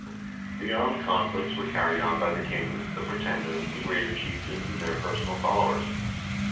The armed conflicts were carried on by the kings, the pretenders, the greater chieftains, and their personal followers.